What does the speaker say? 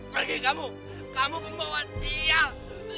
pergi kamu kamu pembawa sial